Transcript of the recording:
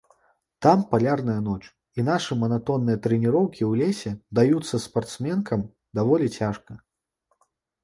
Там палярная ноч, і нашы манатонныя трэніроўкі ў лесе даюцца спартсменкам даволі цяжка.